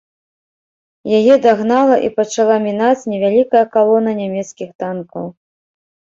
Яе дагнала і пачала мінаць невялікая калона нямецкіх танкаў.